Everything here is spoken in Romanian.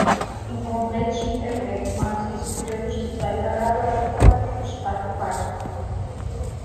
Incomplet și imperfect, manuscrisul greu descifrabil avea doar o sută patruzeci și patru pagini.